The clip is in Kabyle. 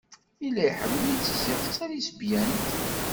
Yella iḥemmel-itt ziɣ d talisbyant.